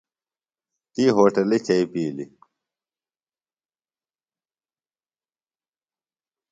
تی ہوٹلیۡ چئی پِیلیۡ۔